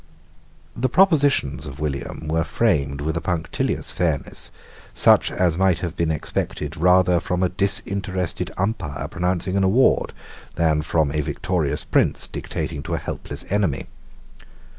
The propositions of William were framed with a punctilious fairness, such as might have been expected rather from a disinterested umpire pronouncing an award than from a victorious prince dictating to a helpless enemy.